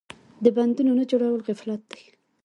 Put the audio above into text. د بندونو نه جوړول غفلت دی.